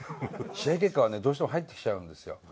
試合結果は、どうしても入ってきちゃうんですよ。